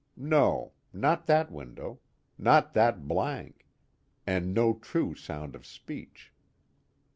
No. Not that window. Not that blank. And no true sound of speech.